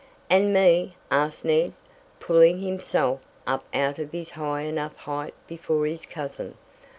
"And me?" asked Ned, pulling himself up out of his high enough height before his cousin.